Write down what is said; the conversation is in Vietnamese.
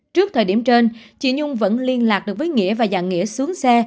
trước thời điểm trên chị nhung vẫn liên lạc được với nghĩa và dạng nghĩa xuống xe